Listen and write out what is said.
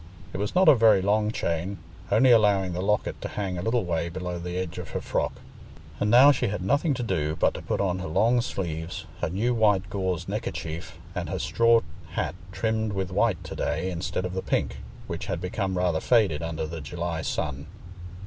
It was not a very long chain, only allowing the locket to hang a little way below the edge of her frock. And now she had nothing to do but to put on her long sleeves, her new white gauze neckerchief, and her straw hat trimmed with white to day instead of the pink, which had become rather faded under the July sun.